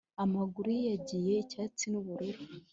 amaguru ye yagiye icyatsi n'ubururu.